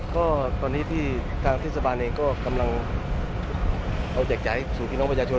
ก็ตอนนี้ที่ทางเทศบาลเองก็กำลังเอาแจกจ่ายให้สู่พี่น้องประชาชน